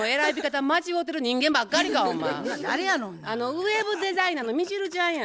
ウェブデザイナーのミチルちゃんや。